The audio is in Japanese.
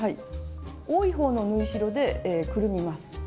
多い方の縫い代でくるみます。